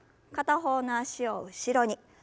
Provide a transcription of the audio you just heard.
片方の脚を後ろに。